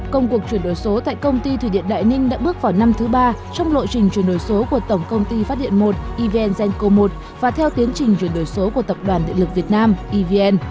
công cuộc chuyển đổi số tại công ty thủy điện đại ninh đã bước vào năm thứ ba trong lộ trình chuyển đổi số của tổng công ty phát điện một evn genco một và theo tiến trình chuyển đổi số của tập đoàn điện lực việt nam evn